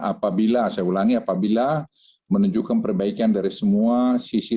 apabila saya ulangi apabila menunjukkan perbaikan dari semua sisi